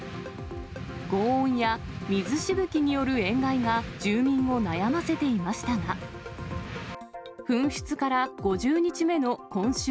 ごう音や水しぶきによる塩害が住民を悩ませていましたが、噴出から５０日目の今週